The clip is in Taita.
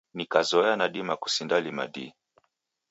Nikazoya nadima kusindalima dii.